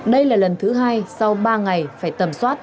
đây là lần thứ hai sau ba ngày phải tầm soát